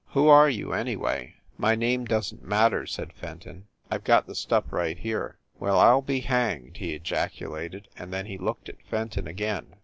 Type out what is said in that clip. "Who are you, anyway?" "My name doesn t matter," said Fenton. "I ve got the stuff right here." "Well, I ll be hanged!" he ejaculated, and then he looked at Fenton again.